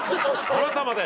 あなたまで。